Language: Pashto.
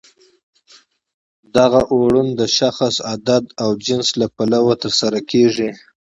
دغه اوړون د شخص، عدد او جنس له پلوه ترسره کیږي.